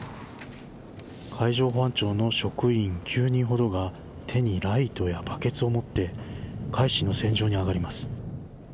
海上保安庁の職員９人ほどが手にライトやバケツを持って「海進」の船上に上がります。